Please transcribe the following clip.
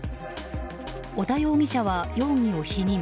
小田容疑者は容疑を否認。